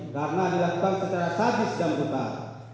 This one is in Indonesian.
karena dilakukan secara sadis dan betah